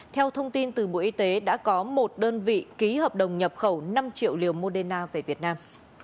theo thông tin từ bộ y tế đã có một đơn vị ký hợp đồng nhập khẩu năm triệu liều moderna về việt nam